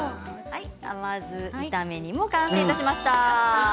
甘酢炒め煮が完成しました。